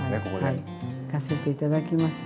いかせていただきます。